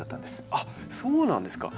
あっそうなんですか。